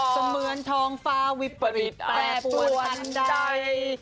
เสมือนท้องฟ้าวิปริตแปรปวนใด